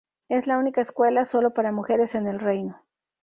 Es la única escuela sólo para mujeres en el reino.